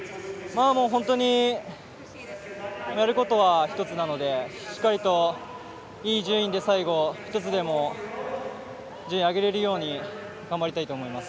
本当にやることは１つなのでしっかりといい順位で最後１つでも順位を上げれるように頑張りたいと思います。